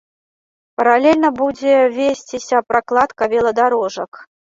Паралельна будзе весціся пракладка веладарожак.